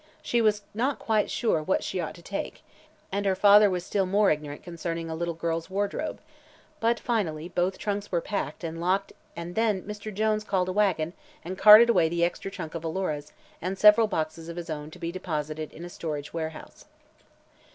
She was not quite sure what she ought to take, and her father was still more ignorant concerning a little girl's wardrobe, but finally both trunks were packed and locked and then Mr. Jones called a wagon and carted away the extra trunk of Alora's and several boxes of his own to be deposited in a storage warehouse.